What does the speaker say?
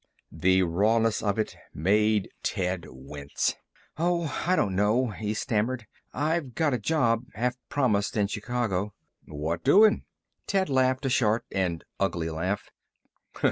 The rawness of it made Ted wince. "Oh, I don't know," he stammered. "I've a job half promised in Chicago." "What doing?" Ted laughed a short and ugly laugh.